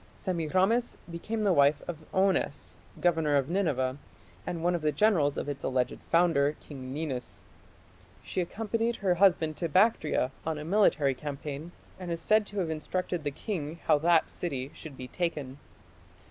Semiramis became the wife of Onnes, governor of Nineveh, and one of the generals of its alleged founder, King Ninus. She accompanied her husband to Bactria on a military campaign, and is said to have instructed the king how that city should be taken.